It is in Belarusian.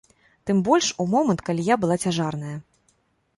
Тым больш у момант, калі я была цяжарная.